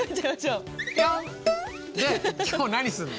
で今日何すんの？